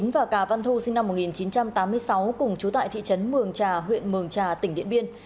và cà văn thu sinh năm một nghìn chín trăm tám mươi sáu cùng chú tại thị trấn mường trà huyện mường trà tỉnh điện biên